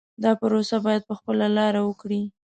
دا پروسه باید په خپله لاره وکړي.